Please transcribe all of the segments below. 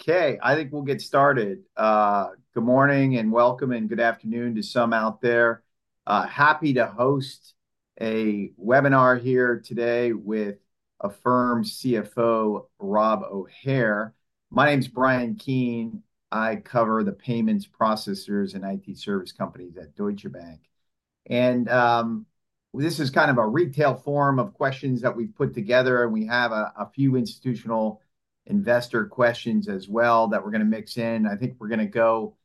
Okay, I think we'll get started. Good morning and welcome, and good afternoon to some out there. Happy to host a webinar here today with Affirm CFO Rob O'Hare. My name's Bryan Keane. I cover the payments processors and IT service companies at Deutsche Bank. And this is kind of a retail form of questions that we've put together, and we have a few institutional investor questions as well that we're going to mix in. I think we're going to go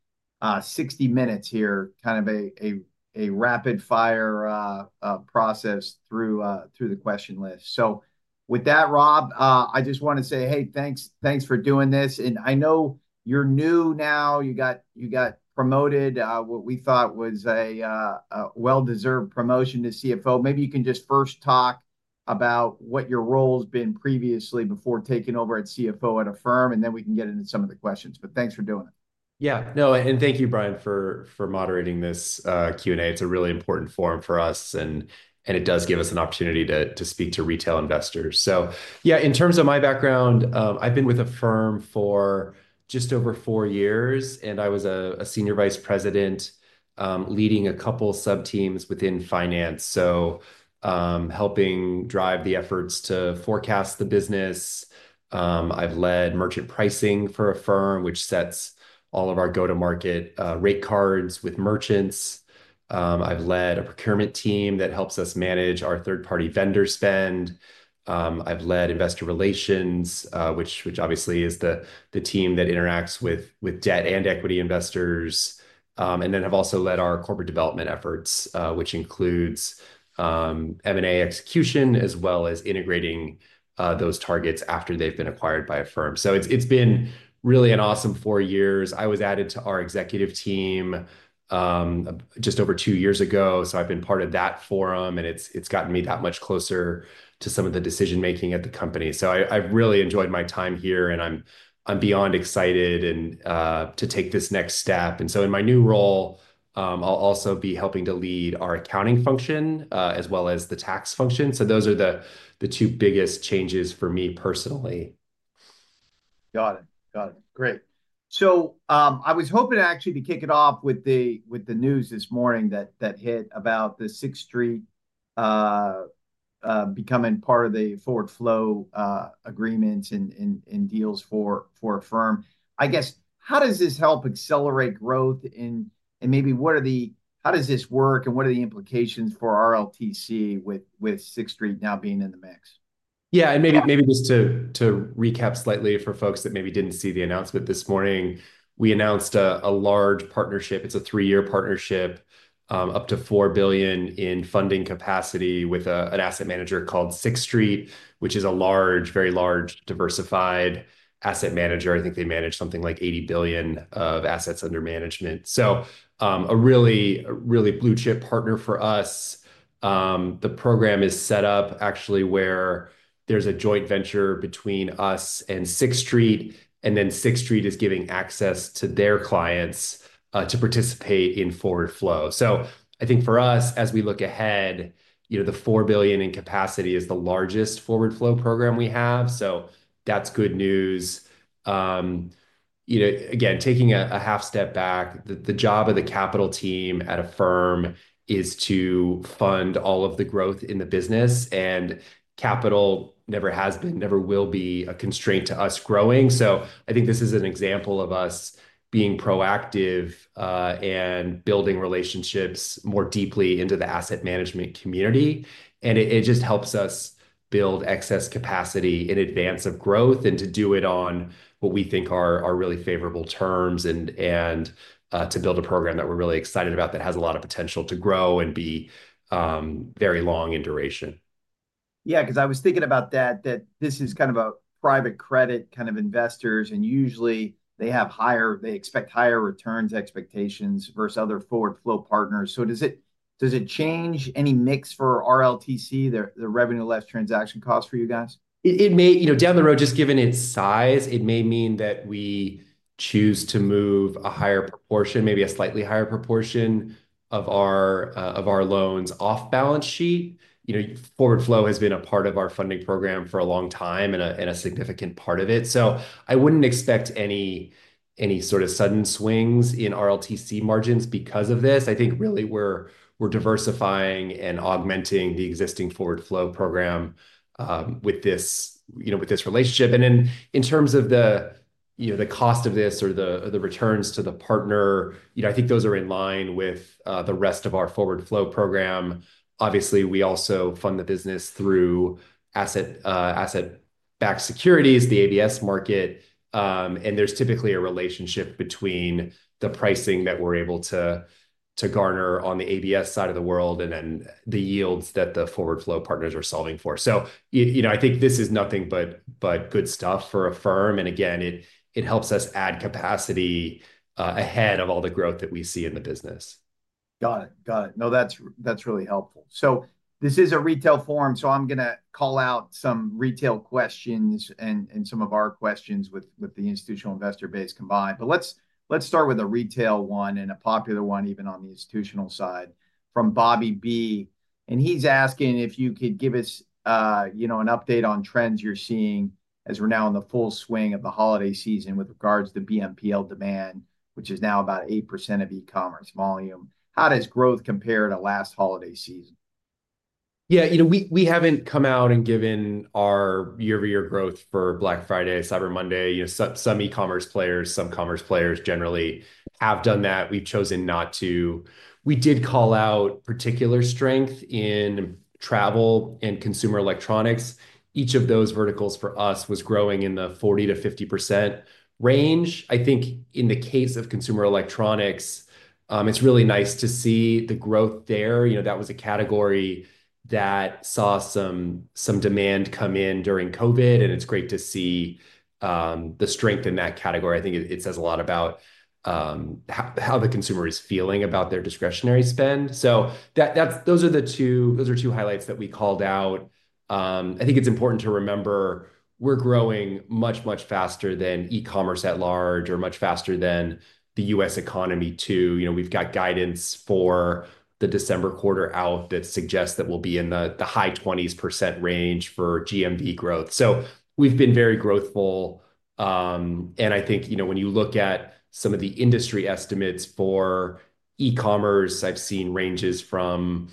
60 minutes here, kind of a rapid-fire process through the question list. So with that, Rob, I just want to say, hey, thanks, thanks for doing this. And I know you're new now. You got promoted, what we thought was a well-deserved promotion to CFO. Maybe you can just first talk about what your role has been previously before taking over as CFO at Affirm, and then we can get into some of the questions. But thanks for doing it. Yeah, no, and thank you, Bryan, for moderating this Q&A. It's a really important forum for us, and it does give us an opportunity to speak to retail investors. So, yeah, in terms of my background, I've been with Affirm for just over four years, and I was a senior vice president, leading a couple sub-teams within finance. So, helping drive the efforts to forecast the business. I've led merchant pricing for Affirm, which sets all of our go-to-market rate cards with merchants. I've led a procurement team that helps us manage our third-party vendor spend. I've led investor relations, which obviously is the team that interacts with debt and equity investors. And then have also led our corporate development efforts, which includes M&A execution, as well as integrating those targets after they've been acquired by Affirm. It's been really an awesome four years. I was added to our executive team just over two years ago. I've been part of that forum, and it's gotten me that much closer to some of the decision-making at the company. I've really enjoyed my time here, and I'm beyond excited to take this next step. In my new role, I'll also be helping to lead our accounting function, as well as the tax function. Those are the two biggest changes for me personally. Got it. Got it. Great. So, I was hoping to actually kick it off with the news this morning that hit about Sixth Street becoming part of the forward flow agreements and deals for Affirm. I guess, how does this help accelerate growth in, and maybe what are the, how does this work, and what are the implications for RLTC with Sixth Street now being in the mix? Yeah, and maybe just to recap slightly for folks that maybe didn't see the announcement this morning, we announced a large partnership. It's a three-year partnership, up to $4 billion in funding capacity with an asset manager called Sixth Street, which is a large, very large diversified asset manager. I think they manage something like $80 billion of assets under management. So, a really blue-chip partner for us. The program is set up actually where there's a joint venture between us and Sixth Street, and then Sixth Street is giving access to their clients to participate in forward flow. So I think for us, as we look ahead, you know, the $4 billion in capacity is the largest forward flow program we have. So that's good news. You know, again, taking a half step back, the job of the capital team at Affirm is to fund all of the growth in the business, and capital never has been, never will be a constraint to us growing. So I think this is an example of us being proactive, and building relationships more deeply into the asset management community. It just helps us build excess capacity in advance of growth and to do it on what we think are really favorable terms and to build a program that we're really excited about that has a lot of potential to grow and be very long in duration. Yeah, because I was thinking about that, this is kind of a private credit kind of investors, and usually they have higher, they expect higher returns expectations versus other forward flow partners. So does it change any mix for RLTC, the revenue less transaction cost for you guys? It may, you know, down the road, just given its size, it may mean that we choose to move a higher proportion, maybe a slightly higher proportion of our loans off balance sheet. You know, forward flow has been a part of our funding program for a long time and a significant part of it. So I wouldn't expect any sort of sudden swings in RLTC margins because of this. I think really we're diversifying and augmenting the existing forward flow program with this, you know, with this relationship. And then in terms of the, you know, the cost of this or the returns to the partner, you know, I think those are in line with the rest of our forward flow program. Obviously, we also fund the business through asset-backed securities, the ABS market. And there's typically a relationship between the pricing that we're able to garner on the ABS side of the world and then the yields that the forward flow partners are solving for. So, you know, I think this is nothing but good stuff for Affirm. And again, it helps us add capacity ahead of all the growth that we see in the business. Got it. No, that's really helpful. So this is a retail forum, so I'm going to call out some retail questions and some of our questions with the institutional investor base combined. But let's start with a retail one and a popular one even on the institutional side from Bobby B., and he's asking if you could give us, you know, an update on trends you're seeing as we're now in the full swing of the holiday season with regards to BNPL demand, which is now about 8% of e-commerce volume. How does growth compare to last holiday season? Yeah, you know, we haven't come out and given our year-over-year growth for Black Friday, Cyber Monday, you know, some e-commerce players, some commerce players generally have done that. We've chosen not to. We did call out particular strength in travel and consumer electronics. Each of those verticals for us was growing in the 40%-50% range. I think in the case of consumer electronics, it's really nice to see the growth there. You know, that was a category that saw some demand come in during COVID, and it's great to see the strength in that category. I think it says a lot about how the consumer is feeling about their discretionary spend. So, that's the two highlights that we called out. I think it's important to remember we're growing much, much faster than e-commerce at large or much faster than the U.S. economy too. You know, we've got guidance for the December quarter out that suggests that we'll be in the high 20% range for GMV growth. So we've been very growthful, and I think, you know, when you look at some of the industry estimates for e-commerce, I've seen ranges from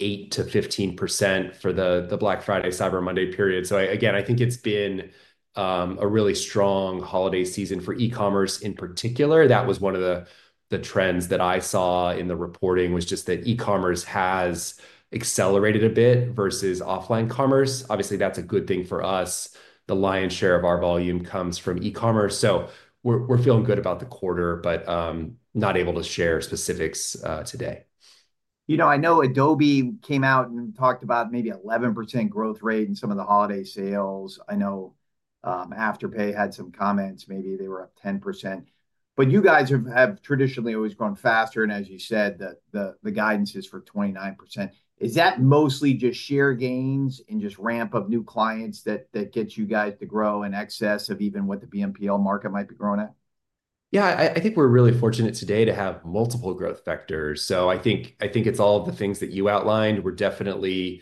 8%-15% for the Black Friday, Cyber Monday period. So, again, I think it's been a really strong holiday season for e-commerce in particular. That was one of the trends that I saw in the reporting was just that e-commerce has accelerated a bit versus offline commerce. Obviously, that's a good thing for us. The lion's share of our volume comes from e-commerce. So we're feeling good about the quarter, but not able to share specifics today. You know, I know Adobe came out and talked about maybe 11% growth rate in some of the holiday sales. I know Afterpay had some comments, maybe they were up 10%. But you guys have traditionally always grown faster. And as you said, the guidance is for 29%. Is that mostly just share gains and just ramp of new clients that gets you guys to grow in excess of even what the BNPL market might be growing at? Yeah, I think we're really fortunate today to have multiple growth factors. So I think it's all of the things that you outlined. We're definitely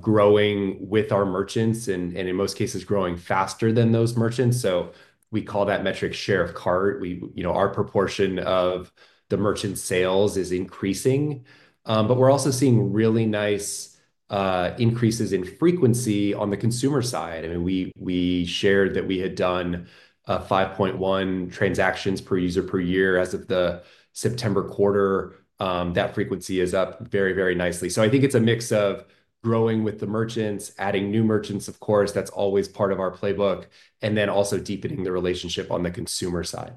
growing with our merchants and in most cases growing faster than those merchants. So we call that metric share of cart. You know, our proportion of the merchant sales is increasing. But we're also seeing really nice increases in frequency on the consumer side. I mean, we shared that we had done 5.1 transactions per user per year as of the September quarter. That frequency is up very, very nicely. So I think it's a mix of growing with the merchants, adding new merchants, of course, that's always part of our playbook, and then also deepening the relationship on the consumer side.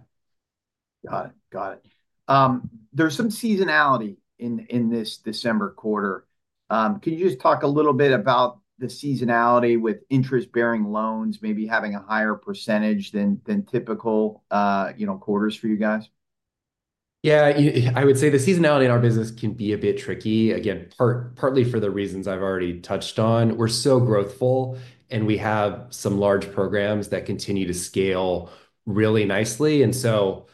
Got it. Got it. There's some seasonality in this December quarter. Can you just talk a little bit about the seasonality with interest-bearing loans, maybe having a higher percentage than typical, you know, quarters for you guys? Yeah, I would say the seasonality in our business can be a bit tricky. Again, partly for the reasons I've already touched on. We're so growthful, and we have some large programs that continue to scale really nicely, and so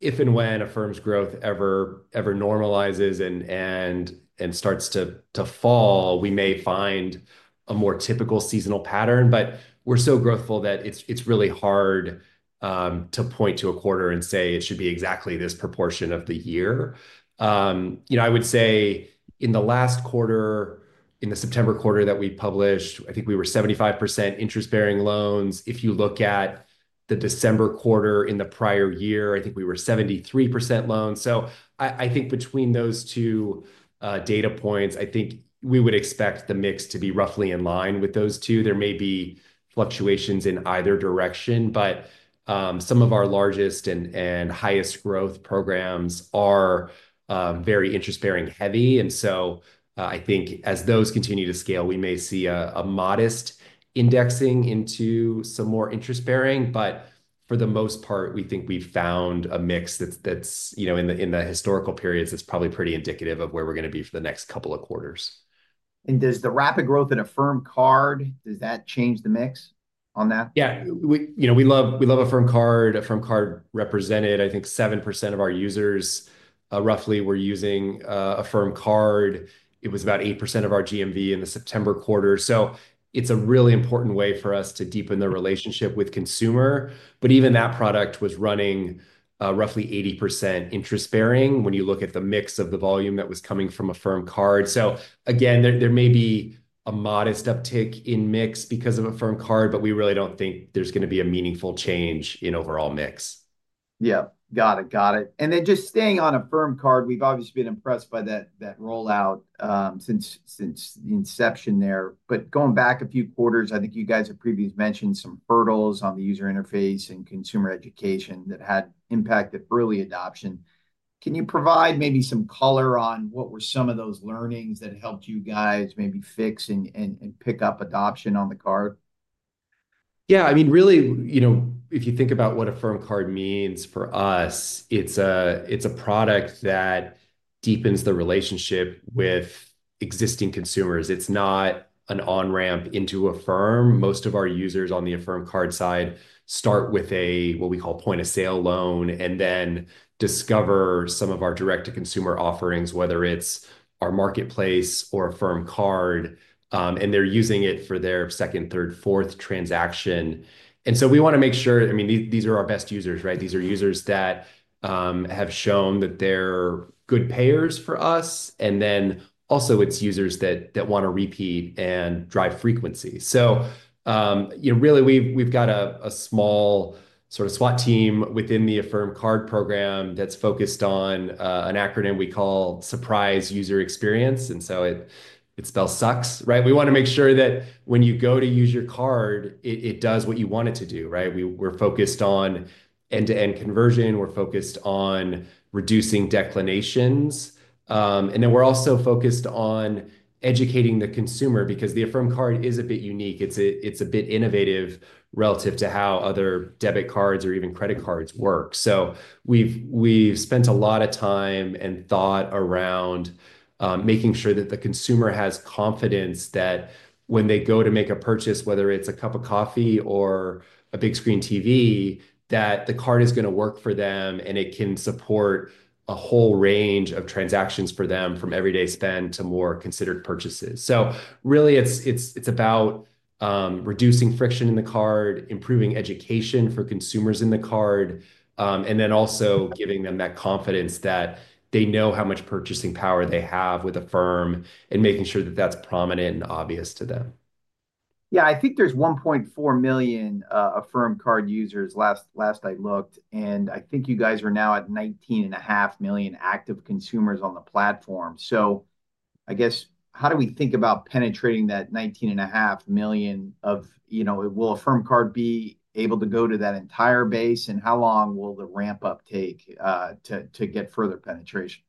if and when Affirm's growth ever normalizes and starts to fall, we may find a more typical seasonal pattern, but we're so growthful that it's really hard to point to a quarter and say it should be exactly this proportion of the year. You know, I would say in the last quarter, in the September quarter that we published, I think we were 75% interest-bearing loans. If you look at the December quarter in the prior year, I think we were 73% loans. So I think between those two data points, I think we would expect the mix to be roughly in line with those two. There may be fluctuations in either direction, but some of our largest and highest growth programs are very interest-bearing heavy. And so I think as those continue to scale, we may see a modest indexing into some more interest-bearing. But for the most part, we think we've found a mix that's you know in the historical periods it's probably pretty indicative of where we're going to be for the next couple of quarters. Does the rapid growth in Affirm Card change the mix on that? Yeah, you know, we love Affirm Card. Affirm Card represented, I think, 7% of our users, roughly were using Affirm Card. It was about 8% of our GMV in the September quarter. So it's a really important way for us to deepen the relationship with consumer. But even that product was running, roughly 80% interest-bearing when you look at the mix of the volume that was coming from Affirm Card. So again, there may be a modest uptick in mix because of Affirm Card, but we really don't think there's going to be a meaningful change in overall mix. Yeah. Got it. And then just staying on Affirm Card, we've obviously been impressed by that rollout since the inception there. But going back a few quarters, I think you guys have previously mentioned some hurdles on the user interface and consumer education that had impacted early adoption. Can you provide maybe some color on what were some of those learnings that helped you guys maybe fix and pick up adoption on the card? Yeah, I mean, really, you know, if you think about what Affirm Card means for us, it's a, it's a product that deepens the relationship with existing consumers. It's not an on-ramp into Affirm. Most of our users on the Affirm Card side start with a, what we call point-of-sale loan, and then discover some of our direct-to-consumer offerings, whether it's our marketplace or Affirm Card. They're using it for their second, third, fourth transaction. We want to make sure, I mean, these, these are our best users, right? These are users that, have shown that they're good payers for us. Then also it's users that, that want to repeat and drive frequency. So, you know, really we've, we've got a, a small sort of SWAT team within the Affirm Card program that's focused on, an acronym we call surprise user experience. And so it spells sucks, right? We want to make sure that when you go to use your card, it does what you want it to do, right? We're focused on end-to-end conversion. We're focused on reducing declinations, and then we're also focused on educating the consumer because the Affirm Card is a bit unique. It's a bit innovative relative to how other debit cards or even credit cards work, so we've spent a lot of time and thought around making sure that the consumer has confidence that when they go to make a purchase, whether it's a cup of coffee or a big screen TV, that the card is going to work for them and it can support a whole range of transactions for them from everyday spend to more considered purchases. So really it's about reducing friction in the card, improving education for consumers in the card, and then also giving them that confidence that they know how much purchasing power they have with Affirm and making sure that that's prominent and obvious to them. Yeah, I think there's 1.4 million Affirm Card users last I looked, and I think you guys are now at 19.5 million active consumers on the platform. So I guess how do we think about penetrating that 19.5 million of, you know, will Affirm Card be able to go to that entire base and how long will the ramp up take, to get further penetration?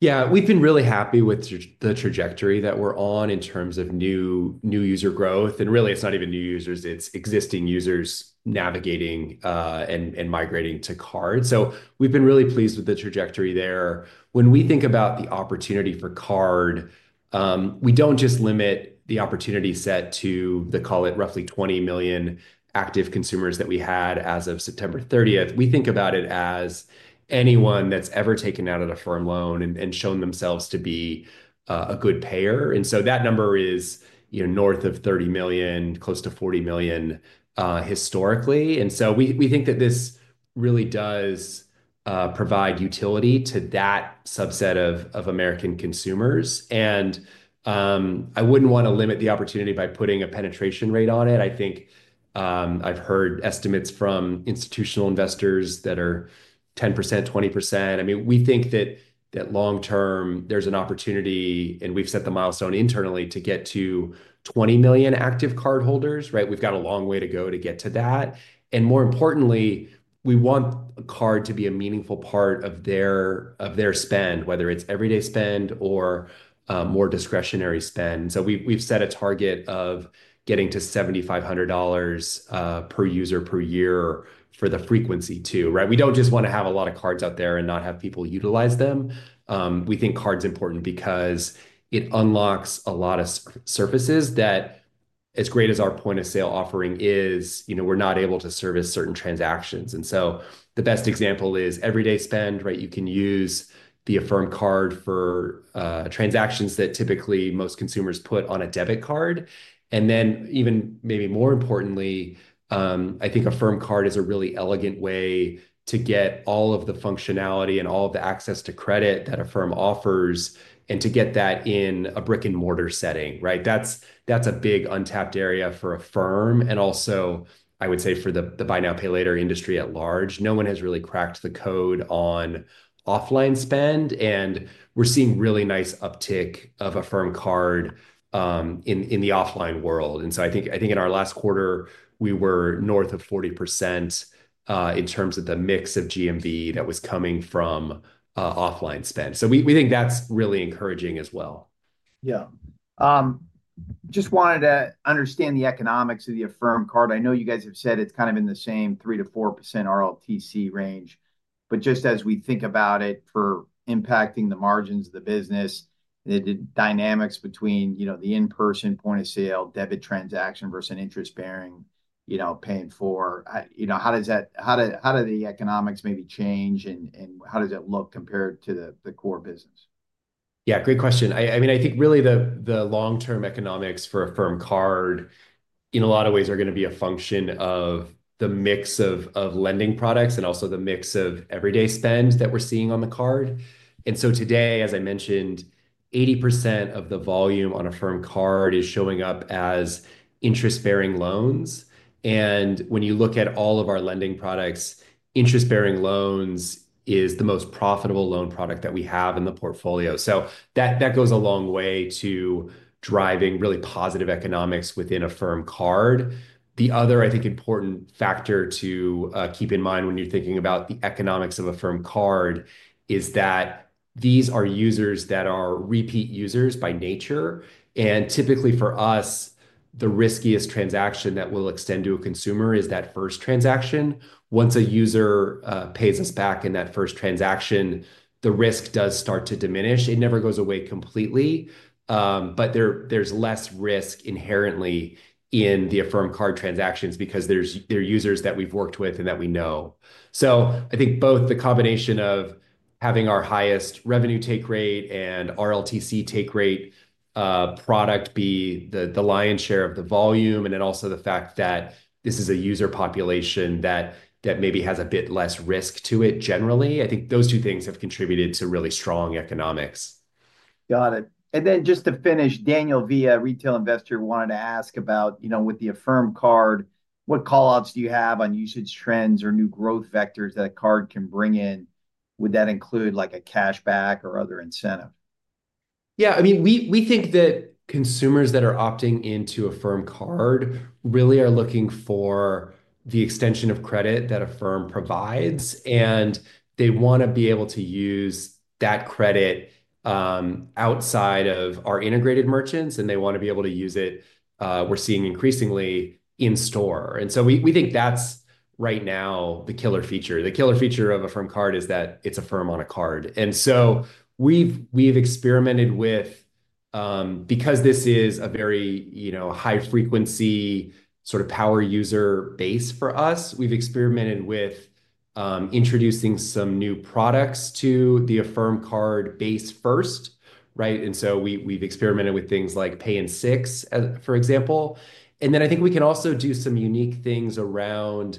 Yeah, we've been really happy with the trajectory that we're on in terms of new user growth. And really it's not even new users, it's existing users navigating and migrating to card. So we've been really pleased with the trajectory there. When we think about the opportunity for card, we don't just limit the opportunity set to the, call it roughly 20 million active consumers that we had as of September 30th. We think about it as anyone that's ever taken out an Affirm loan and shown themselves to be a good payer. And so that number is, you know, north of 30 million, close to 40 million, historically. And so we think that this really does provide utility to that subset of American consumers. And I wouldn't want to limit the opportunity by putting a penetration rate on it. I think, I've heard estimates from institutional investors that are 10%, 20%. I mean, we think that long term there's an opportunity and we've set the milestone internally to get to 20 million active cardholders, right? We've got a long way to go to get to that. And more importantly, we want a card to be a meaningful part of their spend, whether it's everyday spend or more discretionary spend. So we've set a target of getting to $7,500 per user per year for the frequency too, right? We don't just want to have a lot of cards out there and not have people utilize them. We think card's important because it unlocks a lot of surfaces that as great as our point-of-sale offering is, you know, we're not able to service certain transactions. And so the best example is everyday spend, right? You can use the Affirm Card for transactions that typically most consumers put on a debit card. And then even maybe more importantly, I think Affirm Card is a really elegant way to get all of the functionality and all of the access to credit that Affirm offers and to get that in a brick-and-mortar setting, right? That's a big untapped area for Affirm. And also, I would say for the buy now, pay later industry at large, no one has really cracked the code on offline spend. And we're seeing really nice uptick of Affirm Card in the offline world. And so I think in our last quarter, we were north of 40% in terms of the mix of GMV that was coming from offline spend. So we think that's really encouraging as well. Yeah, just wanted to understand the economics of the Affirm Card. I know you guys have said it's kind of in the same 3%-4% RLTC range, but just as we think about it for impacting the margins of the business, the dynamics between, you know, the in-person point-of-sale debit transaction versus an interest-bearing, you know, paying for, you know, how does that, how do the economics maybe change and how does it look compared to the core business? Yeah, great question. I mean, I think really the long-term economics for Affirm Card in a lot of ways are going to be a function of the mix of lending products and also the mix of everyday spends that we're seeing on the card. And so today, as I mentioned, 80% of the volume on Affirm Card is showing up as interest-bearing loans. And when you look at all of our lending products, interest-bearing loans is the most profitable loan product that we have in the portfolio. So that goes a long way to driving really positive economics within Affirm Card. The other, I think, important factor to keep in mind when you're thinking about the economics of Affirm Card is that these are users that are repeat users by nature. Typically for us, the riskiest transaction that will extend to a consumer is that first transaction. Once a user pays us back in that first transaction, the risk does start to diminish. It never goes away completely, but there's less risk inherently in the Affirm Card transactions because there are users that we've worked with and that we know. So I think both the combination of having our highest revenue take rate and RLTC take rate product be the lion's share of the volume and then also the fact that this is a user population that maybe has a bit less risk to it generally. I think those two things have contributed to really strong economics. Got it. And then just to finish, Daniel V., a retail investor, wanted to ask about, you know, with the Affirm Card, what callouts do you have on usage trends or new growth vectors that a card can bring in? Would that include like a cashback or other incentive? Yeah, I mean, we think that consumers that are opting into Affirm Card really are looking for the extension of credit that Affirm provides, and they want to be able to use that credit outside of our integrated merchants, and they want to be able to use it. We're seeing increasingly in store. So we think that's right now the killer feature. The killer feature of Affirm Card is that it's Affirm on a card. So we've experimented with, because this is a very, you know, high frequency sort of power user base for us, we've experimented with introducing some new products to the Affirm Card base first, right? So we've experimented with things like Pay in 6, for example. And then I think we can also do some unique things around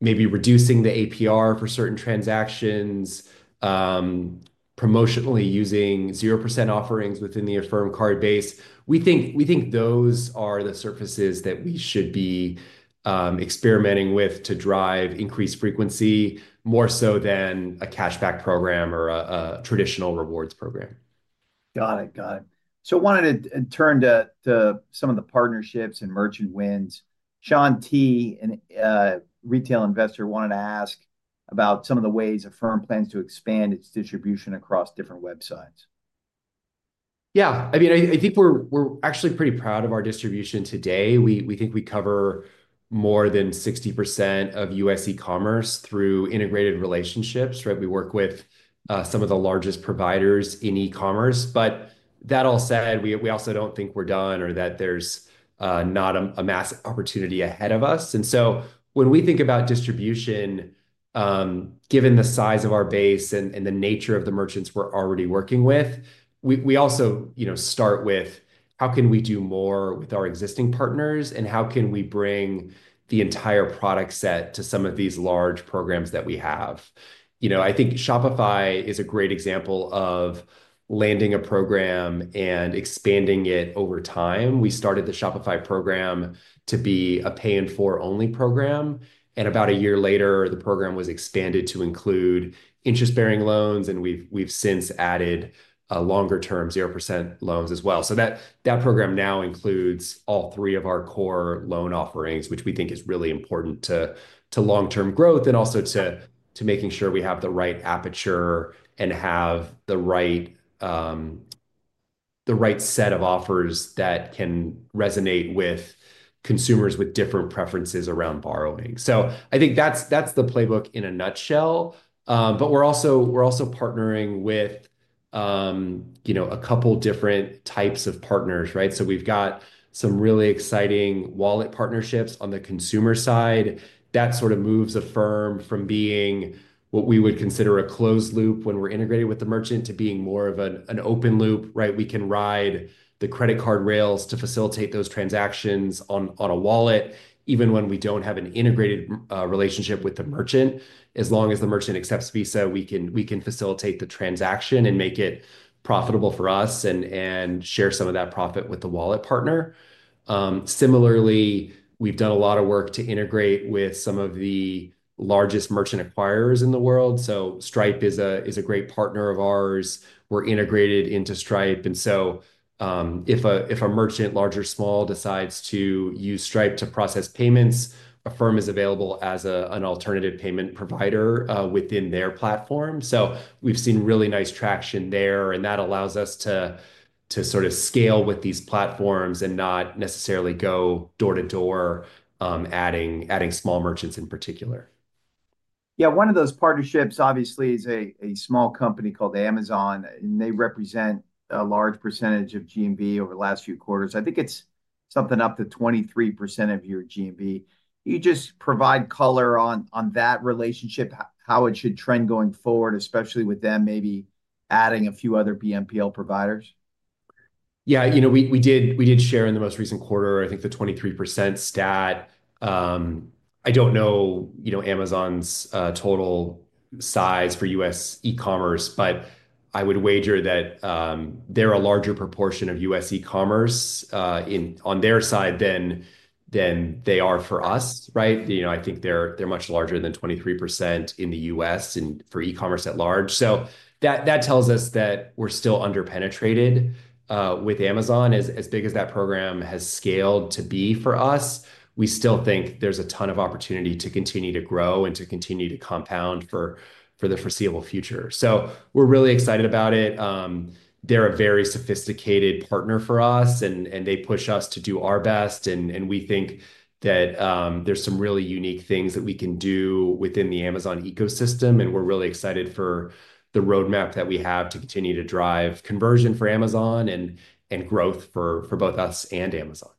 maybe reducing the APR for certain transactions, promotionally using 0% offerings within the Affirm Card base. We think those are the surfaces that we should be experimenting with to drive increased frequency more so than a cashback program or a traditional rewards program. Got it. Got it. So I wanted to turn to some of the partnerships and merchant wins. Sean T, a retail investor, wanted to ask about some of the ways Affirm plans to expand its distribution across different websites. Yeah, I mean, I think we're actually pretty proud of our distribution today. We think we cover more than 60% of U.S. e-commerce through integrated relationships, right? We work with some of the largest providers in e-commerce. But that all said, we also don't think we're done or that there's not a massive opportunity ahead of us. And so when we think about distribution, given the size of our base and the nature of the merchants we're already working with, we also, you know, start with how can we do more with our existing partners and how can we bring the entire product set to some of these large programs that we have. You know, I think Shopify is a great example of landing a program and expanding it over time. We started the Shopify program to be a Pay in 4-only program, and about a year later, the program was expanded to include interest-bearing loans, and we've since added longer-term 0% loans as well. So that program now includes all three of our core loan offerings, which we think is really important to long-term growth and also to making sure we have the right appetite and have the right set of offers that can resonate with consumers with different preferences around borrowing. So I think that's the playbook in a nutshell. But we're also partnering with, you know, a couple different types of partners, right? So we've got some really exciting wallet partnerships on the consumer side that sort of moves Affirm from being what we would consider a closed loop when we're integrated with the merchant to being more of an, an open loop, right? We can ride the credit card rails to facilitate those transactions on, on a wallet, even when we don't have an integrated, relationship with the merchant. As long as the merchant accepts Visa, we can, we can facilitate the transaction and make it profitable for us and, and share some of that profit with the wallet partner. Similarly, we've done a lot of work to integrate with some of the largest merchant acquirers in the world. So Stripe is a, is a great partner of ours. We're integrated into Stripe. And so, if a merchant, large or small, decides to use Stripe to process payments, Affirm is available as an alternative payment provider, within their platform. So we've seen really nice traction there, and that allows us to sort of scale with these platforms and not necessarily go door to door, adding small merchants in particular. Yeah, one of those partnerships obviously is a small company called Amazon, and they represent a large percentage of GMV over the last few quarters. I think it's something up to 23% of your GMV. You just provide color on that relationship, how it should trend going forward, especially with them maybe adding a few other BNPL providers. Yeah, you know, we did share in the most recent quarter, I think the 23% stat. I don't know, you know, Amazon's total size for U.S. e-commerce, but I would wager that they're a larger proportion of U.S. e-commerce on their side than they are for us, right? You know, I think they're much larger than 23% in the U.S. and for e-commerce at large. So that tells us that we're still underpenetrated with Amazon, as big as that program has scaled to be for us. We still think there's a ton of opportunity to continue to grow and to continue to compound for the foreseeable future. So we're really excited about it. They're a very sophisticated partner for us, and they push us to do our best. We think that there's some really unique things that we can do within the Amazon ecosystem, and we're really excited for the roadmap that we have to continue to drive conversion for Amazon and growth for both us and Amazon.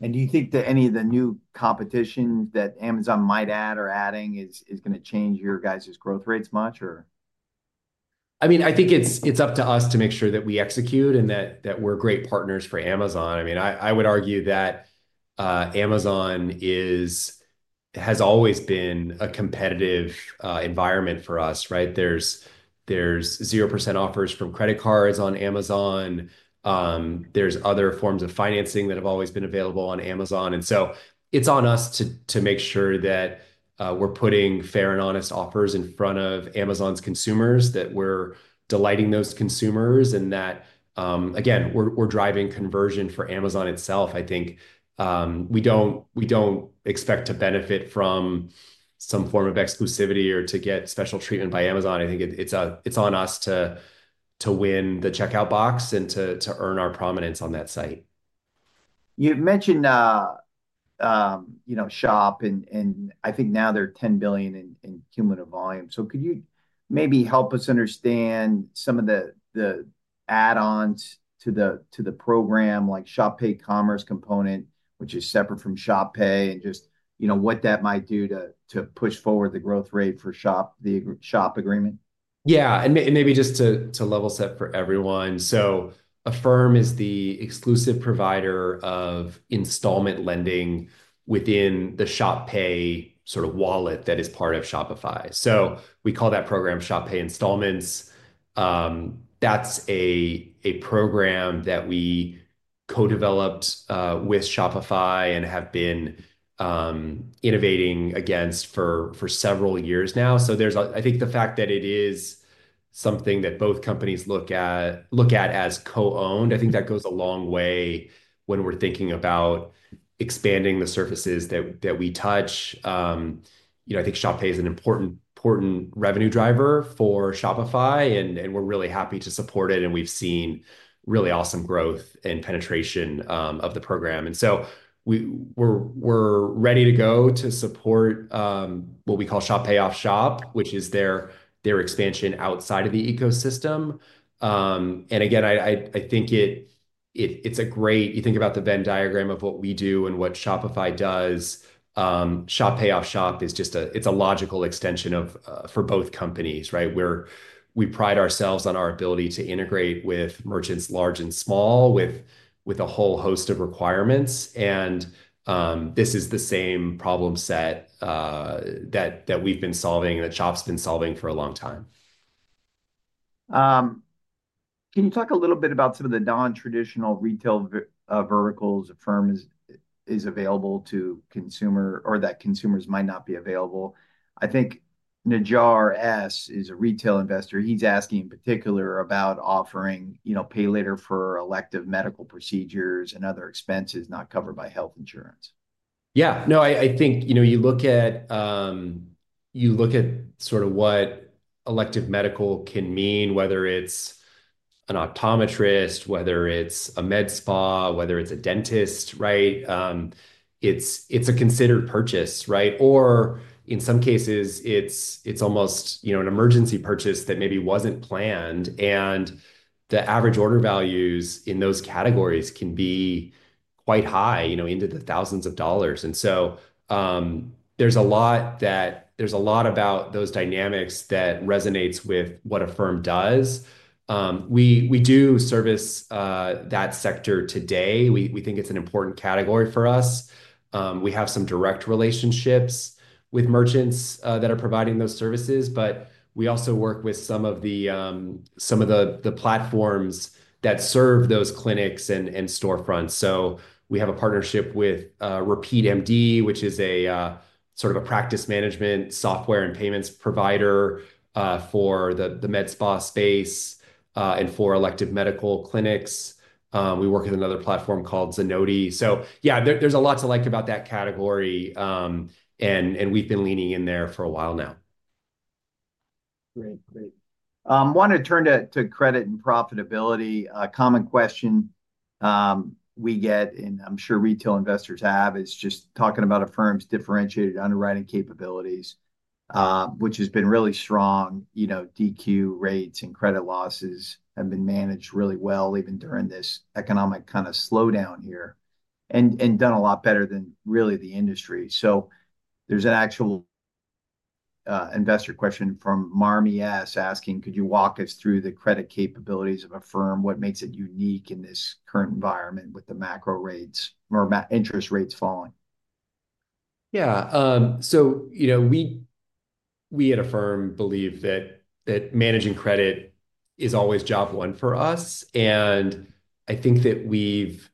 Do you think that any of the new competition that Amazon might add or adding is going to change your guys' growth rates much or? I mean, I think it's up to us to make sure that we execute and that we're great partners for Amazon. I mean, I would argue that Amazon has always been a competitive environment for us, right? There's 0% offers from credit cards on Amazon. There's other forms of financing that have always been available on Amazon, and so it's on us to make sure that we're putting fair and honest offers in front of Amazon's consumers, that we're delighting those consumers and that, again, we're driving conversion for Amazon itself. I think we don't expect to benefit from some form of exclusivity or to get special treatment by Amazon. I think it's on us to win the checkout box and to earn our prominence on that site. You mentioned, you know, Shop Pay and I think now they're $10 billion in cumulative volume. So could you maybe help us understand some of the add-ons to the program, like Shop Pay Commerce component, which is separate from Shop Pay and just, you know, what that might do to push forward the growth rate for the Shop agreement? Yeah, and maybe just to level set for everyone. So Affirm is the exclusive provider of installment lending within the Shop Pay sort of wallet that is part of Shopify. So we call that program Shop Pay Installments. That's a program that we co-developed with Shopify and have been innovating against for several years now. So there's, I think the fact that it is something that both companies look at as co-owned. I think that goes a long way when we're thinking about expanding the surfaces that we touch. You know, I think Shop Pay is an important revenue driver for Shopify and we're really happy to support it. And we've seen really awesome growth and penetration of the program. And so we're ready to go to support what we call Shop Pay off-shop, which is their expansion outside of the ecosystem. And again, I think it's a great, you think about the Venn diagram of what we do and what Shopify does. Shop Pay is just a logical extension of, for both companies, right? Where we pride ourselves on our ability to integrate with merchants large and small with a whole host of requirements. And this is the same problem set that we've been solving and that Shopify's been solving for a long time. Can you talk a little bit about some of the non-traditional retail verticals Affirm is available to consumer or that consumers might not be available? I think Najar S. is a retail investor. He's asking in particular about offering, you know, pay later for elective medical procedures and other expenses not covered by health insurance. Yeah, no, I think, you know, you look at sort of what elective medical can mean, whether it's an optometrist, whether it's a med spa, whether it's a dentist, right? It's a considered purchase, right? Or in some cases, it's almost, you know, an emergency purchase that maybe wasn't planned. And the average order values in those categories can be quite high, you know, into the thousands of dollars. And so, there's a lot about those dynamics that resonates with what Affirm does. We serve that sector today. We think it's an important category for us. We have some direct relationships with merchants that are providing those services, but we also work with some of the platforms that serve those clinics and storefronts. So we have a partnership with RepeatMD, which is a sort of a practice management software and payments provider for the med spa space and for elective medical clinics. We work with another platform called Zenoti. So yeah, there's a lot to like about that category. And we've been leaning in there for a while now. Great, great. Wanted to turn to credit and profitability. A common question we get, and I'm sure retail investors have, is just talking about Affirm's differentiated underwriting capabilities, which has been really strong. You know, DQ rates and credit losses have been managed really well even during this economic kind of slowdown here and done a lot better than really the industry. So there's an actual investor question from Marni S. asking, could you walk us through the credit capabilities of Affirm? What makes it unique in this current environment with the macro rates or interest rates falling? Yeah, so, you know, we at Affirm believe that managing credit is always job one for us. And I think that we've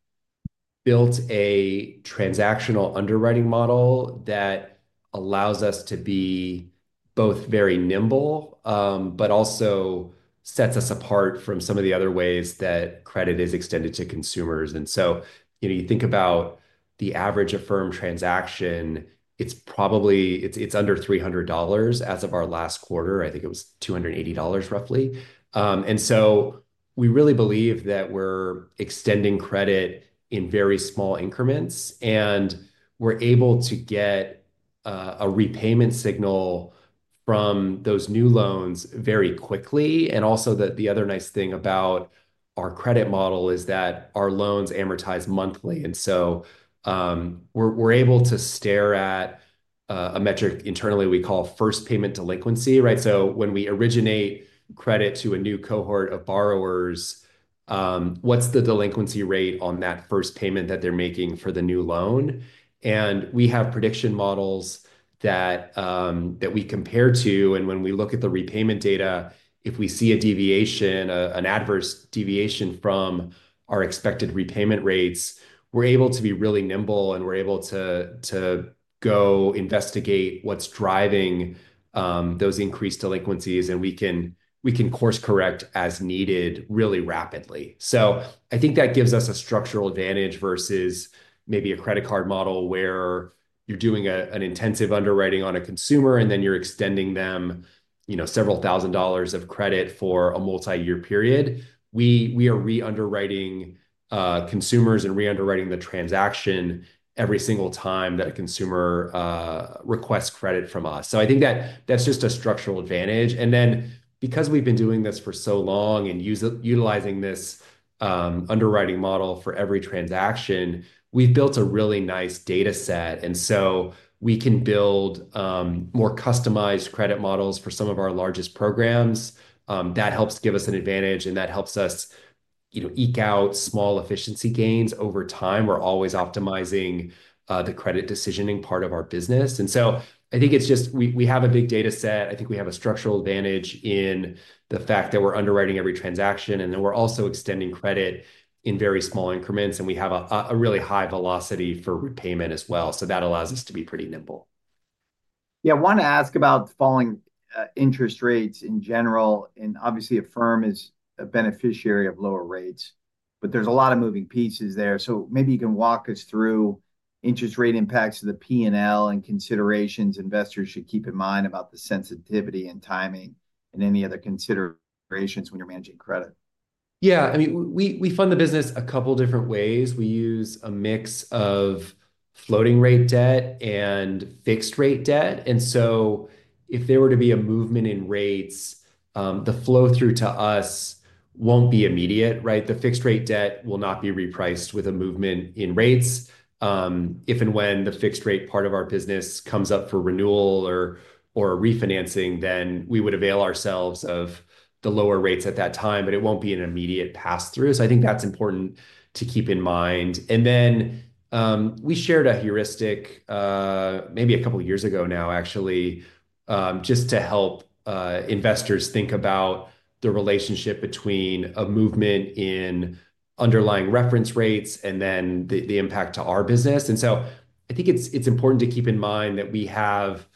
built a transactional underwriting model that allows us to be both very nimble, but also sets us apart from some of the other ways that credit is extended to consumers. And so, you know, you think about the average Affirm transaction, it's probably under $300 as of our last quarter. I think it was $280 roughly, and so we really believe that we're extending credit in very small increments and we're able to get a repayment signal from those new loans very quickly. And also the other nice thing about our credit model is that our loans amortize monthly. And so, we're able to stare at a metric internally we call first payment delinquency, right? So when we originate credit to a new cohort of borrowers, what's the delinquency rate on that first payment that they're making for the new loan? And we have prediction models that we compare to. And when we look at the repayment data, if we see a deviation, an adverse deviation from our expected repayment rates, we're able to be really nimble and we're able to go investigate what's driving those increased delinquencies and we can course correct as needed really rapidly. So I think that gives us a structural advantage versus maybe a credit card model where you're doing an intensive underwriting on a consumer and then you're extending them, you know, several thousand dollars of credit for a multi-year period. We are re-underwriting consumers and re-underwriting the transaction every single time that a consumer requests credit from us. I think that that's just a structural advantage. And then, because we've been doing this for so long and utilizing this underwriting model for every transaction, we've built a really nice data set. And so we can build more customized credit models for some of our largest programs. That helps give us an advantage, and that helps us, you know, eke out small efficiency gains over time. We're always optimizing the credit decisioning part of our business. And so I think it's just we have a big data set. I think we have a structural advantage in the fact that we're underwriting every transaction, and then we're also extending credit in very small increments, and we have a really high velocity for repayment as well. So that allows us to be pretty nimble. Yeah, I want to ask about falling interest rates in general. And obviously Affirm is a beneficiary of lower rates, but there's a lot of moving pieces there. So maybe you can walk us through interest rate impacts to the P&L and considerations investors should keep in mind about the sensitivity and timing and any other considerations when you're managing credit. Yeah, I mean, we fund the business a couple different ways. We use a mix of floating rate debt and fixed rate debt. And so if there were to be a movement in rates, the flow through to us won't be immediate, right? The fixed rate debt will not be repriced with a movement in rates. If and when the fixed rate part of our business comes up for renewal or refinancing, then we would avail ourselves of the lower rates at that time, but it won't be an immediate pass through. So I think that's important to keep in mind. And then, we shared a heuristic, maybe a couple of years ago now actually, just to help investors think about the relationship between a movement in underlying reference rates and then the impact to our business. And so I think it's important to keep in mind that we have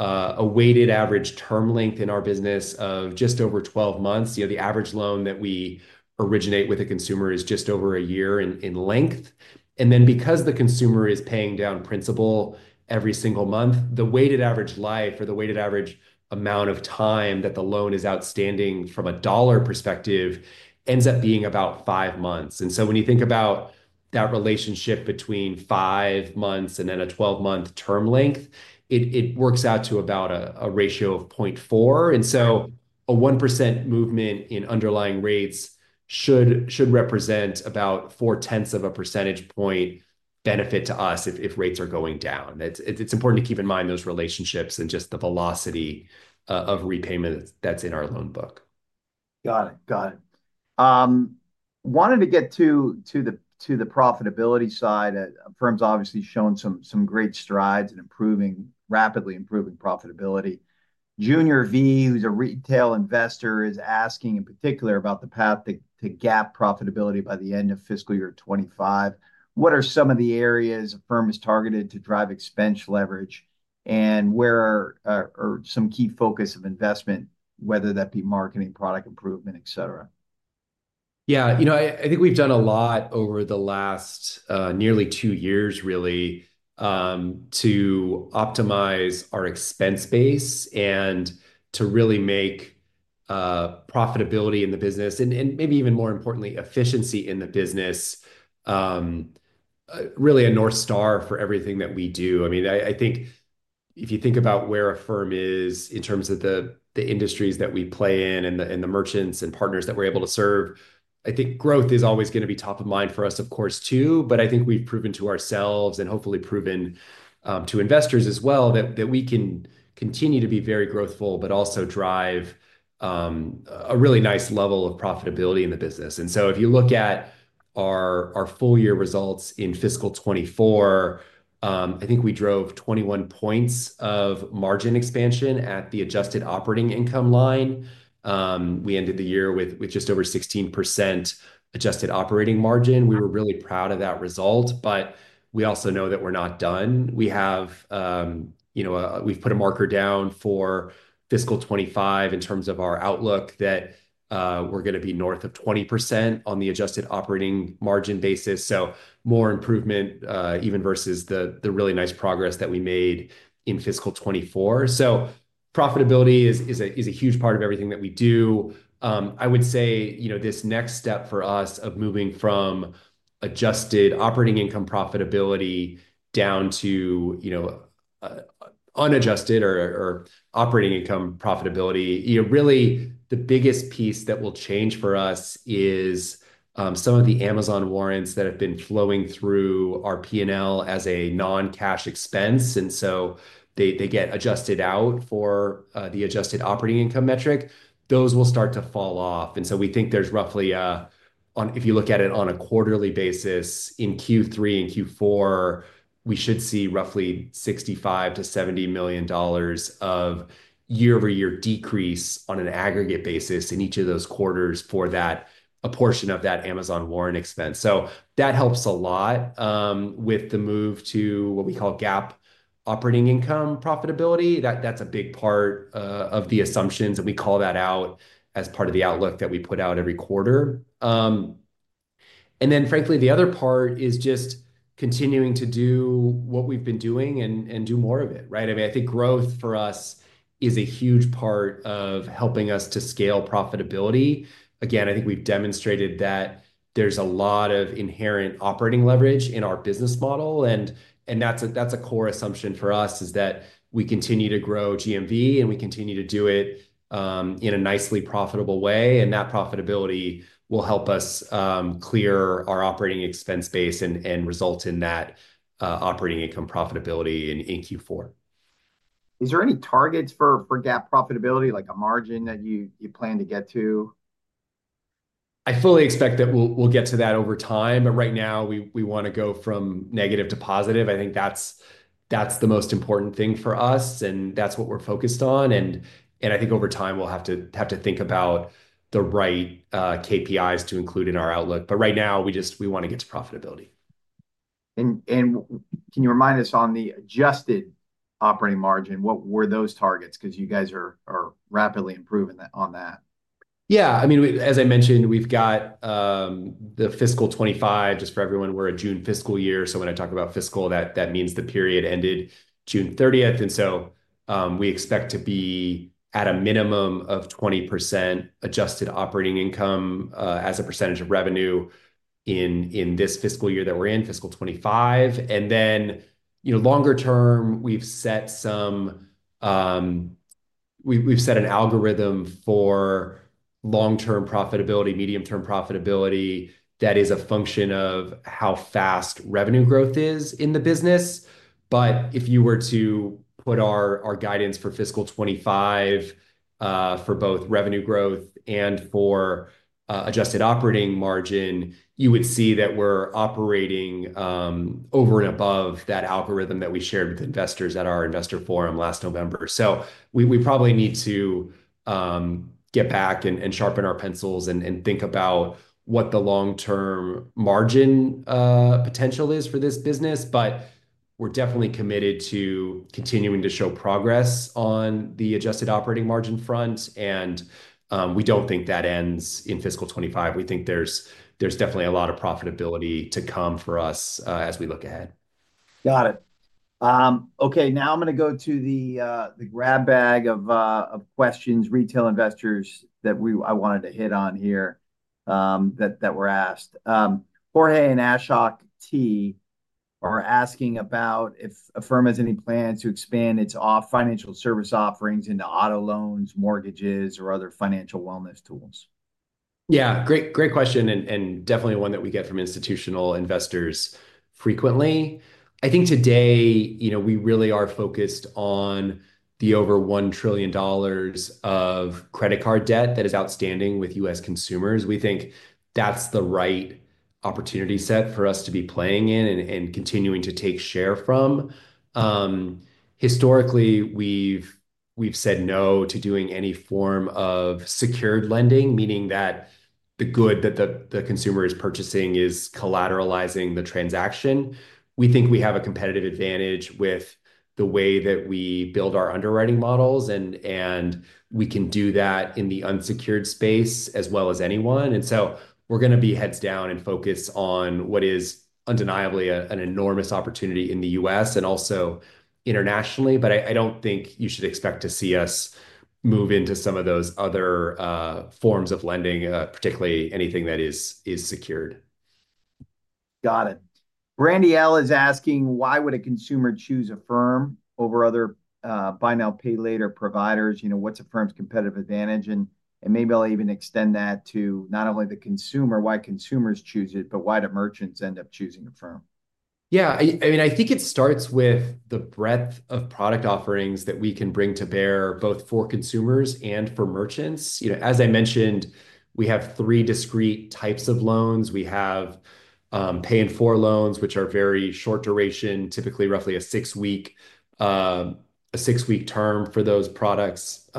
a weighted average term length in our business of just over 12 months. You know, the average loan that we originate with a consumer is just over a year in length. And then because the consumer is paying down principal every single month, the weighted average life or the weighted average amount of time that the loan is outstanding from a dollar perspective ends up being about five months. And so when you think about that relationship between five months and then a 12-month term length, it works out to about a ratio of 0.4. And so a 1% movement in underlying rates should represent about 4/10 of a percentage point benefit to us if rates are going down. It's important to keep in mind those relationships and just the velocity of repayment that's in our loan book. Got it. Wanted to get to the profitability side. Affirm's obviously shown some great strides in rapidly improving profitability. Junior V, who's a retail investor, is asking in particular about the path to GAAP profitability by the end of fiscal year 2025. What are some of the areas Affirm has targeted to drive expense leverage and where are some key focus of investment, whether that be marketing, product improvement, et cetera? Yeah, you know, I, I think we've done a lot over the last nearly two years really to optimize our expense base and to really make profitability in the business and, and maybe even more importantly, efficiency in the business really a North Star for everything that we do. I mean, I, I think if you think about where Affirm is in terms of the industries that we play in and the merchants and partners that we're able to serve, I think growth is always going to be top of mind for us, of course, too. But I think we've proven to ourselves and hopefully proven to investors as well that we can continue to be very growthful, but also drive a really nice level of profitability in the business. And so if you look at our full year results in fiscal 2024, I think we drove 21 points of margin expansion at the adjusted operating income line. We ended the year with just over 16% adjusted operating margin. We were really proud of that result, but we also know that we're not done. We have, you know, we've put a marker down for fiscal 2025 in terms of our outlook that we're going to be north of 20% on the adjusted operating margin basis. So more improvement, even versus the really nice progress that we made in fiscal 2024. So profitability is a huge part of everything that we do. I would say, you know, this next step for us of moving from adjusted operating income profitability down to, you know, unadjusted or, or operating income profitability, you know, really the biggest piece that will change for us is, some of the Amazon warrants that have been flowing through our P&L as a non-cash expense. And so they, they get adjusted out for, the adjusted operating income metric. Those will start to fall off. And so we think there's roughly, on, if you look at it on a quarterly basis in Q3 and Q4, we should see roughly $65 million-$70 million of year-over-year decrease on an aggregate basis in each of those quarters for that, a portion of that Amazon warrant expense. So that helps a lot, with the move to what we call GAAP operating income profitability. That, that's a big part of the assumptions and we call that out as part of the outlook that we put out every quarter. And then frankly, the other part is just continuing to do what we've been doing and do more of it, right? I mean, I think growth for us is a huge part of helping us to scale profitability. Again, I think we've demonstrated that there's a lot of inherent operating leverage in our business model. And that's a core assumption for us is that we continue to grow GMV and we continue to do it in a nicely profitable way. And that profitability will help us clear our operating expense base and result in that operating income profitability in Q4. Is there any targets for GAAP profitability, like a margin that you plan to get to? I fully expect that we'll get to that over time, but right now we want to go from negative to positive. I think that's the most important thing for us and that's what we're focused on. I think over time we'll have to think about the right KPIs to include in our outlook. Right now we just want to get to profitability. Can you remind us on the adjusted operating margin, what were those targets? 'Cause you guys are rapidly improving that. Yeah, I mean, we, as I mentioned, we've got the fiscal 2025. Just for everyone, we're a June fiscal year. So when I talk about fiscal, that means the period ended June 30th. And so, we expect to be at a minimum of 20% Adjusted Operating Income, as a percentage of revenue in this fiscal year that we're in, fiscal 2025. And then, you know, longer term, we've set an algorithm for long-term profitability, medium-term profitability that is a function of how fast revenue growth is in the business. But if you were to put our guidance for fiscal 2025, for both revenue growth and for Adjusted Operating Margin, you would see that we're operating over and above that algorithm that we shared with investors at our investor forum last November. We probably need to get back and sharpen our pencils and think about what the long-term margin potential is for this business, but we're definitely committed to continuing to show progress on the adjusted operating margin front, and we don't think that ends in fiscal 2025. We think there's definitely a lot of profitability to come for us as we look ahead. Got it. Okay. Now I'm going to go to the grab bag of questions, retail investors that I wanted to hit on here, that were asked. Jorge and Ashok T are asking about if Affirm has any plans to expand its other financial service offerings into auto loans, mortgages, or other financial wellness tools. Yeah, great, great question. And definitely one that we get from institutional investors frequently. I think today, you know, we really are focused on the over $1 trillion of credit card debt that is outstanding with U.S. consumers. We think that's the right opportunity set for us to be playing in and continuing to take share from. Historically, we've said no to doing any form of secured lending, meaning that the good that the consumer is purchasing is collateralizing the transaction. We think we have a competitive advantage with the way that we build our underwriting models and we can do that in the unsecured space as well as anyone, and so we're going to be heads down and focused on what is undeniably an enormous opportunity in the U.S. and also internationally. But I don't think you should expect to see us move into some of those other forms of lending, particularly anything that is secured. Got it. Randy L is asking, why would a consumer choose Affirm over other buy now, pay later providers? You know, what's Affirm's competitive advantage? And maybe I'll even extend that to not only the consumer, why consumers choose it, but why do merchants end up choosing Affirm? Yeah, I mean, I think it starts with the breadth of product offerings that we can bring to bear both for consumers and for merchants. You know, as I mentioned, we have three discrete types of loans. We have Pay in 4 loans, which are very short duration, typically roughly a six-week term for those products.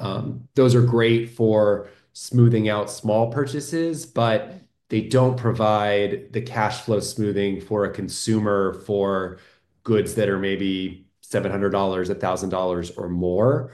Those are great for smoothing out small purchases, but they don't provide the cash flow smoothing for a consumer for goods that are maybe $700-$1,000 or more.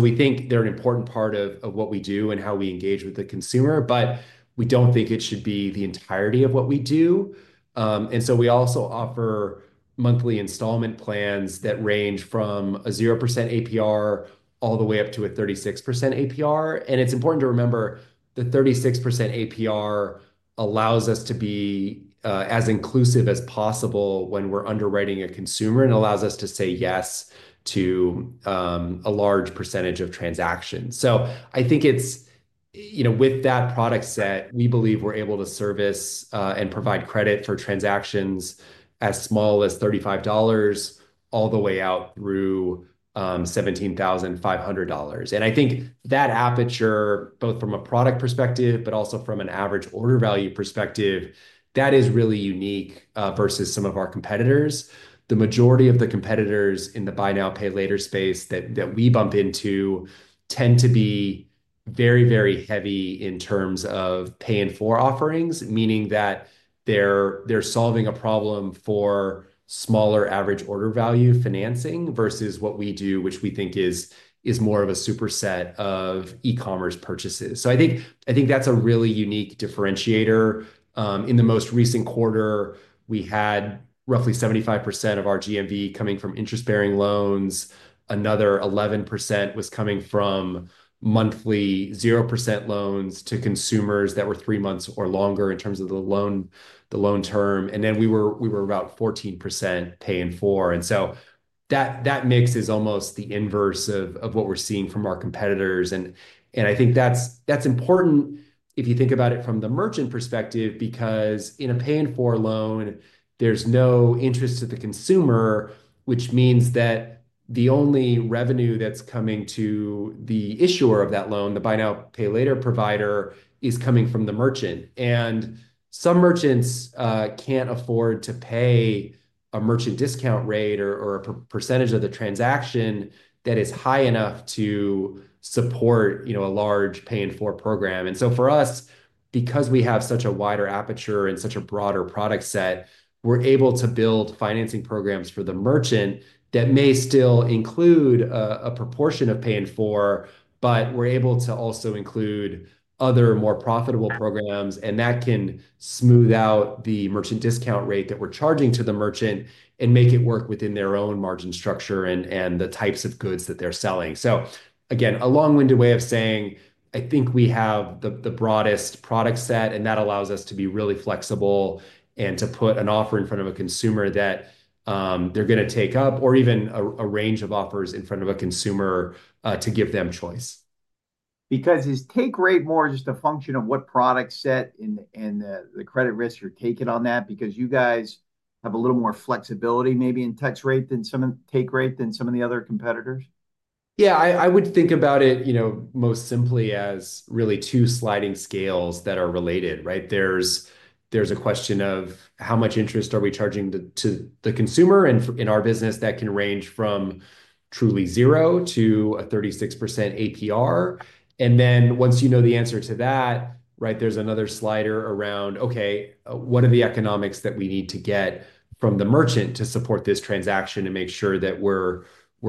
We think they're an important part of what we do and how we engage with the consumer, but we don't think it should be the entirety of what we do. We also offer monthly installment plans that range from a 0% APR all the way up to a 36% APR. And it's important to remember the 36% APR allows us to be, as inclusive as possible when we're underwriting a consumer and allows us to say yes to, a large percentage of transactions. So I think it's, you know, with that product set, we believe we're able to service, and provide credit for transactions as small as $35 all the way out through, $17,500. And I think that aperture, both from a product perspective, but also from an average order value perspective, that is really unique, versus some of our competitors. The majority of the competitors in the buy now, pay later space that, that we bump into tend to be very, very heavy in terms of Pay in 4 offerings, meaning that they're, they're solving a problem for smaller average order value financing versus what we do, which we think is, is more of a superset of e-commerce purchases. So I think, I think that's a really unique differentiator. In the most recent quarter, we had roughly 75% of our GMV coming from interest-bearing loans. Another 11% was coming from monthly 0% loans to consumers that were three months or longer in terms of the loan, the loan term. And then we were, we were about 14% Pay in 4. And so that, that mix is almost the inverse of, of what we're seeing from our competitors. And, and I think that's, that's important if you think about it from the merchant perspective, because in a Pay in 4 loan, there's no interest to the consumer, which means that the only revenue that's coming to the issuer of that loan, the buy now, pay later provider, is coming from the merchant. Some merchants can't afford to pay a merchant discount rate or a percentage of the transaction that is high enough to support, you know, a large Pay in 4 program. So for us, because we have such a wider aperture and such a broader product set, we're able to build financing programs for the merchant that may still include a proportion of Pay in 4, but we're able to also include other more profitable programs. That can smooth out the merchant discount rate that we're charging to the merchant and make it work within their own margin structure and the types of goods that they're selling. So again, a long-winded way of saying, I think we have the broadest product set and that allows us to be really flexible and to put an offer in front of a consumer that, they're going to take up or even a range of offers in front of a consumer, to give them choice. Because the take rate is more just a function of what product set and the credit risk you're taking on that? Because you guys have a little more flexibility maybe in take rate than some of the other competitors? Yeah, I would think about it, you know, most simply as really two sliding scales that are related, right? There's a question of how much interest are we charging to the consumer and in our business that can range from truly zero to a 36% APR. And then once you know the answer to that, right, there's another slider around, okay, what are the economics that we need to get from the merchant to support this transaction and make sure that we're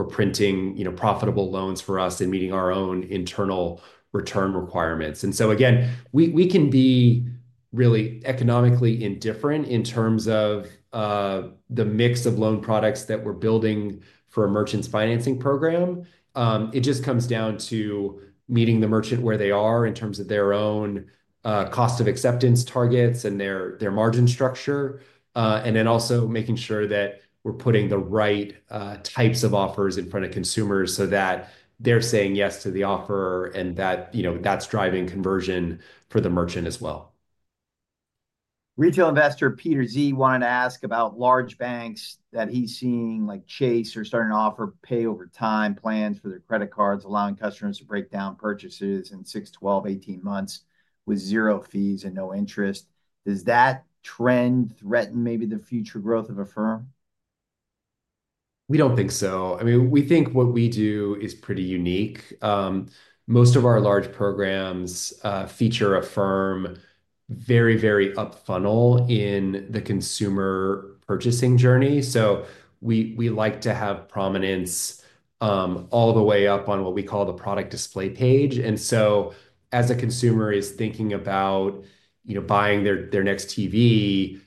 printing, you know, profitable loans for us and meeting our own internal return requirements. And so again, we can be really economically indifferent in terms of the mix of loan products that we're building for a merchant's financing program. It just comes down to meeting the merchant where they are in terms of their own cost of acceptance targets and their margin structure, and then also making sure that we're putting the right types of offers in front of consumers so that they're saying yes to the offer and that, you know, that's driving conversion for the merchant as well. Retail investor Peter Z wanted to ask about large banks that he's seeing like Chase are starting to offer pay over time plans for their credit cards, allowing customers to break down purchases in 6, 12, 18 months with zero fees and no interest. Does that trend threaten maybe the future growth of Affirm? We don't think so. I mean, we think what we do is pretty unique. Most of our large programs feature Affirm very, very up funnel in the consumer purchasing journey. So we like to have prominence all the way up on what we call the product display page. And so as a consumer is thinking about, you know, buying their next TV,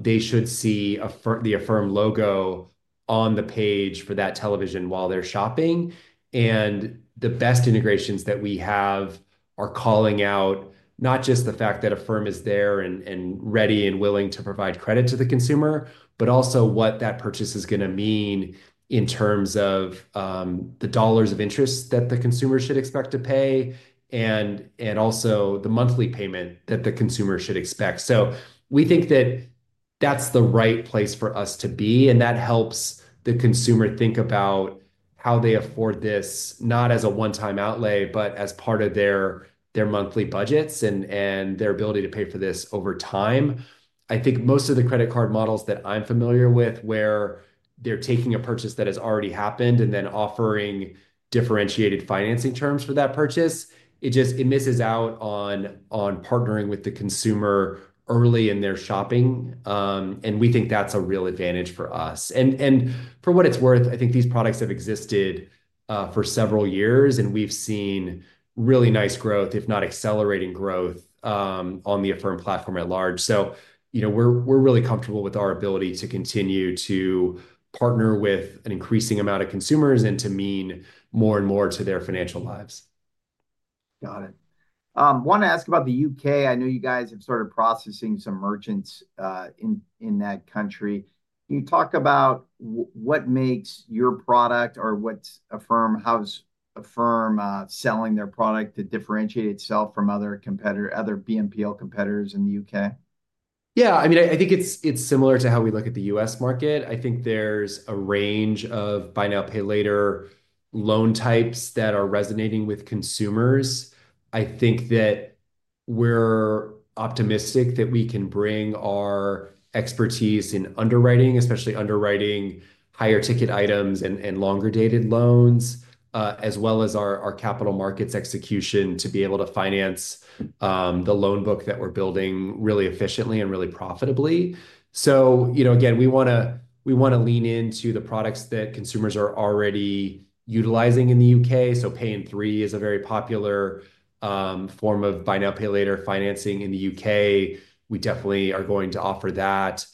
they should see the Affirm logo on the page for that television while they're shopping. And the best integrations that we have are calling out not just the fact that Affirm is there and ready and willing to provide credit to the consumer, but also what that purchase is going to mean in terms of the dollars of interest that the consumer should expect to pay and also the monthly payment that the consumer should expect. So we think that that's the right place for us to be. And that helps the consumer think about how they afford this, not as a one-time outlay, but as part of their monthly budgets and their ability to pay for this over time. I think most of the credit card models that I'm familiar with, where they're taking a purchase that has already happened and then offering differentiated financing terms for that purchase, it just misses out on partnering with the consumer early in their shopping. And we think that's a real advantage for us. And for what it's worth, I think these products have existed for several years and we've seen really nice growth, if not accelerating growth, on the Affirm platform at large. So, you know, we're really comfortable with our ability to continue to partner with an increasing amount of consumers and to mean more and more to their financial lives. Got it. Want to ask about the U.K. I know you guys have started processing some merchants, in that country. Can you talk about what makes your product or what's Affirm selling their product to differentiate itself from other BNPL competitors in the U.K.? Yeah, I mean, I think it's similar to how we look at the U.S. market. I think there's a range of buy now, pay later loan types that are resonating with consumers. I think that we're optimistic that we can bring our expertise in underwriting, especially underwriting higher ticket items and longer dated loans, as well as our capital markets execution to be able to finance the loan book that we're building really efficiently and really profitably, so you know, again, we want to lean into the products that consumers are already utilizing in the U.K., so Pay in 3 is a very popular form of buy now, pay later financing in the U.K. We definitely are going to offer that.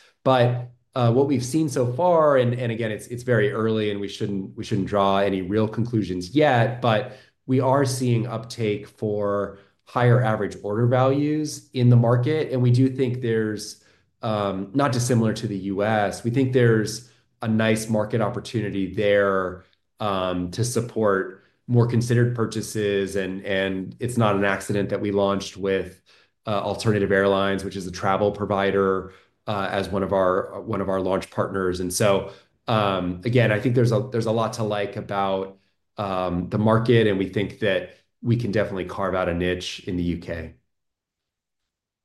What we've seen so far, and again, it's very early and we shouldn't draw any real conclusions yet, but we are seeing uptake for higher average order values in the market. We do think there's not dissimilar to the U.S. We think there's a nice market opportunity there to support more considered purchases. It's not an accident that we launched with Alternative Airlines, which is a travel provider, as one of our launch partners. So, again, I think there's a lot to like about the market and we think that we can definitely carve out a niche in the U.K.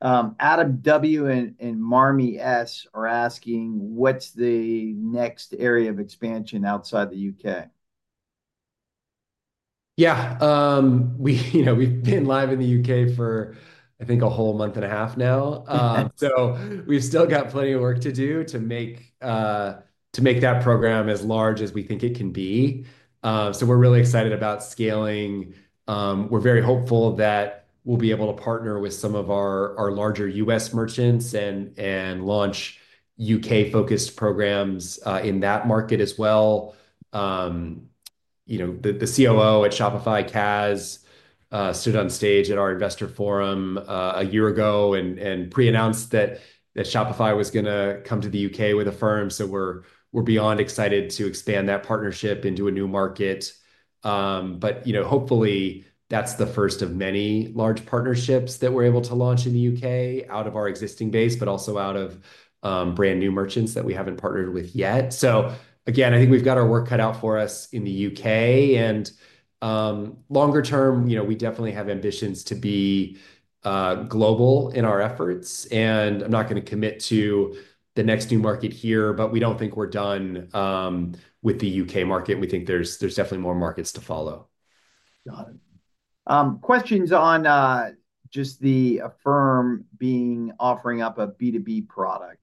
Adam W and Marni S are asking, what's the next area of expansion outside the U.K.? Yeah, we, you know, we've been live in the U.K. for, I think, a whole month and a half now, so we've still got plenty of work to do to make that program as large as we think it can be, so we're really excited about scaling. We're very hopeful that we'll be able to partner with some of our larger U.S. merchants and launch U.K.-focused programs in that market as well. You know, the COO at Shopify, Kaz, stood on stage at our investor forum a year ago and pre-announced that Shopify was going to come to the U.K. with Affirm, so we're beyond excited to expand that partnership into a new market. But, you know, hopefully that's the first of many large partnerships that we're able to launch in the U.K. out of our existing base, but also out of brand new merchants that we haven't partnered with yet. So again, I think we've got our work cut out for us in the U.K. and longer term, you know, we definitely have ambitions to be global in our efforts. And I'm not going to commit to the next new market here, but we don't think we're done with the U.K. market. We think there's definitely more markets to follow. Got it. Questions on just the Affirm being offering up a B2B product.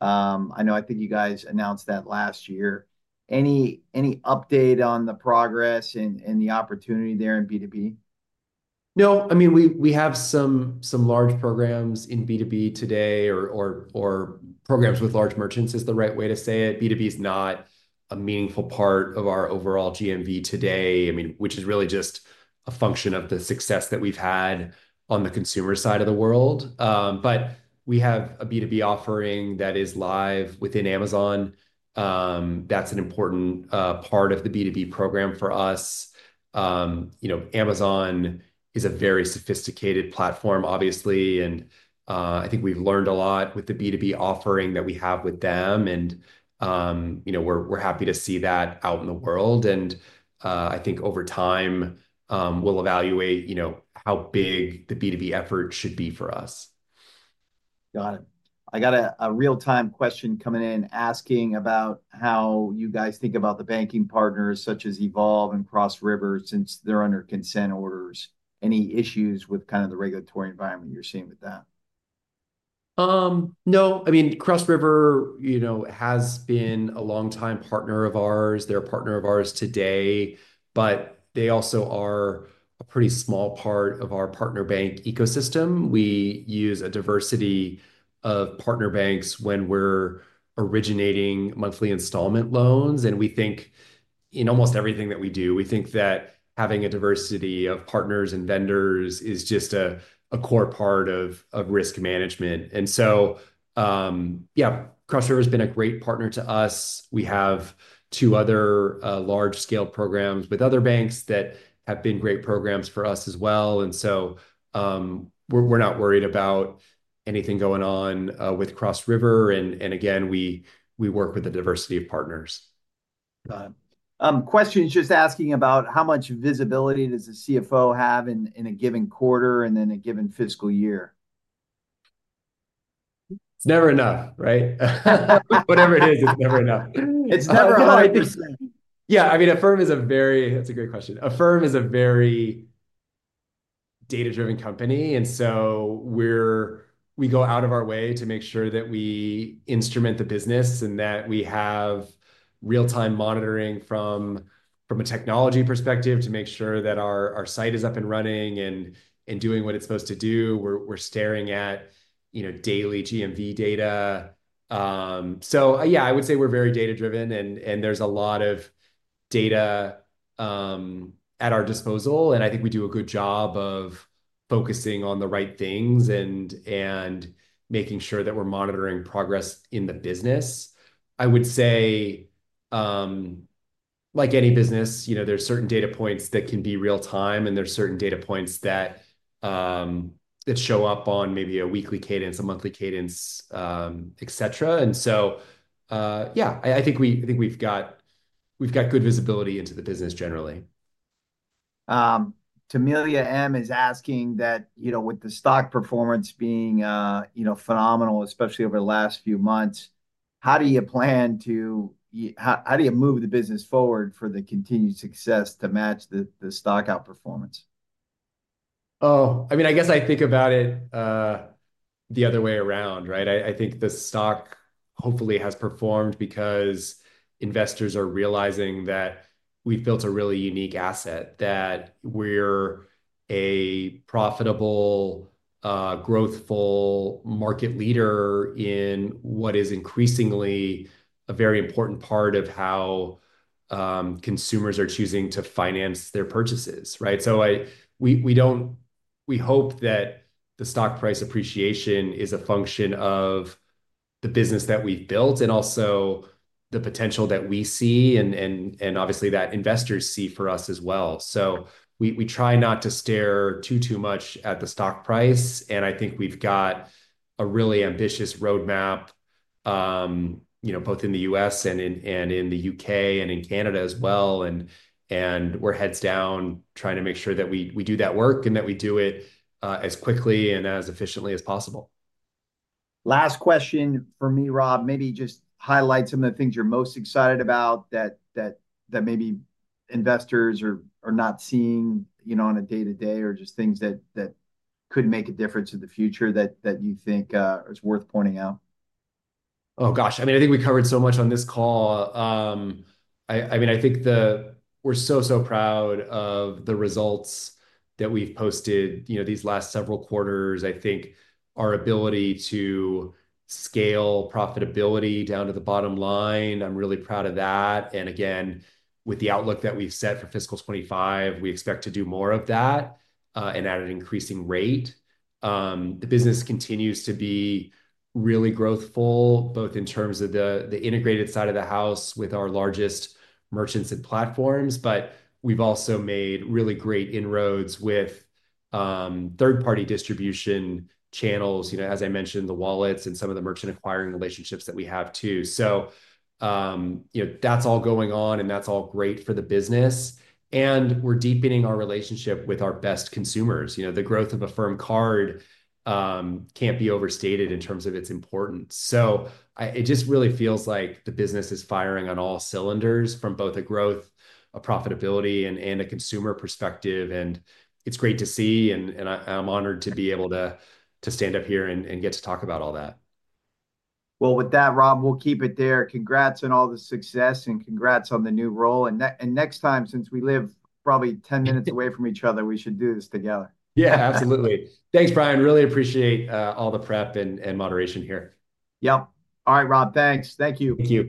I know I think you guys announced that last year. Any update on the progress and the opportunity there in B2B? No, I mean, we have some large programs in B2B today or programs with large merchants is the right way to say it. B2B is not a meaningful part of our overall GMV today. I mean, which is really just a function of the success that we've had on the consumer side of the world. But we have a B2B offering that is live within Amazon. That's an important part of the B2B program for us. You know, Amazon is a very sophisticated platform, obviously. And I think we've learned a lot with the B2B offering that we have with them. And you know, we're happy to see that out in the world. And I think over time, we'll evaluate you know, how big the B2B effort should be for us. Got it. I got a real-time question coming in asking about how you guys think about the banking partners such as Evolve and Cross River since they're under consent orders. Any issues with kind of the regulatory environment you're seeing with that? No. I mean, Cross River, you know, has been a long-time partner of ours. They're a partner of ours today, but they also are a pretty small part of our partner bank ecosystem. We use a diversity of partner banks when we're originating monthly installment loans. And we think in almost everything that we do, we think that having a diversity of partners and vendors is just a core part of risk management. And so, yeah, Cross River has been a great partner to us. We have two other large-scale programs with other banks that have been great programs for us as well. And so, we're not worried about anything going on with Cross River. And again, we work with a diversity of partners. Got it. Questions just asking about how much visibility does the CFO have in a given quarter and then a given fiscal year? It's never enough, right? Whatever it is, it's never enough. Yeah. I mean, Affirm is a very, that's a great question. Affirm is a very data-driven company. And so we go out of our way to make sure that we instrument the business and that we have real-time monitoring from a technology perspective to make sure that our site is up and running and doing what it's supposed to do. We're staring at, you know, daily GMV data. So yeah, I would say we're very data-driven and there's a lot of data at our disposal. And I think we do a good job of focusing on the right things and making sure that we're monitoring progress in the business. I would say, like any business, you know, there's certain data points that can be real-time and there's certain data points that show up on maybe a weekly cadence, a monthly cadence, et cetera. And so, yeah, I think we've got good visibility into the business generally. Tamelia M is asking that, you know, with the stock performance being, you know, phenomenal, especially over the last few months, how do you plan to, how, how do you move the business forward for the continued success to match the, the stock outperformance? Oh, I mean, I guess I think about it the other way around, right? I think the stock hopefully has performed because investors are realizing that we've built a really unique asset, that we're a profitable, growthful market leader in what is increasingly a very important part of how consumers are choosing to finance their purchases, right? So we don't. We hope that the stock price appreciation is a function of the business that we've built and also the potential that we see and obviously that investors see for us as well. So we try not to stare too much at the stock price. And I think we've got a really ambitious roadmap, you know, both in the U.S. and in the U.K. and in Canada as well. We're heads down trying to make sure that we do that work and that we do it as quickly and as efficiently as possible. Last question for me, Rob, maybe just highlight some of the things you're most excited about that maybe investors are not seeing, you know, on a day-to-day or just things that could make a difference in the future that you think is worth pointing out. Oh gosh. I mean, I think we covered so much on this call. I mean, I think we're so proud of the results that we've posted, you know, these last several quarters. I think our ability to scale profitability down to the bottom line. I'm really proud of that. And again, with the outlook that we've set for fiscal 2025, we expect to do more of that, and at an increasing rate. The business continues to be really growthful, both in terms of the integrated side of the house with our largest merchants and platforms, but we've also made really great inroads with third-party distribution channels, you know, as I mentioned, the wallets and some of the merchant acquiring relationships that we have too. So, you know, that's all going on and that's all great for the business. We're deepening our relationship with our best consumers. You know, the growth of Affirm Card can't be overstated in terms of its importance. So it just really feels like the business is firing on all cylinders from both a growth, a profitability, and a consumer perspective. And it's great to see, and I'm honored to be able to stand up here and get to talk about all that. With that, Rob, we'll keep it there. Congrats on all the success and congrats on the new role. Next time, since we live probably 10 minutes away from each other, we should do this together. Yeah, absolutely. Thanks, Bryan. Really appreciate all the prep and moderation here. Yep. All right, Rob. Thanks. Thank you. Thank you.